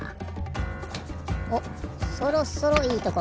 おそろそろいいとこ。